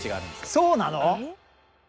そうなの？